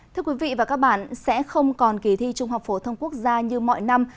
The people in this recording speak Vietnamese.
thưa quý vị và các bạn sẽ không còn kỳ thi trung học phổ thông quốc gia như mọi năm